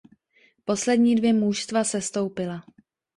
Poslední dvě mužstva sestoupila.